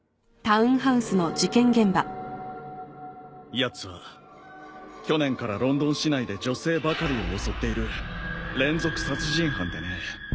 やつは去年からロンドン市内で女性ばかりを襲っている連続殺人犯でね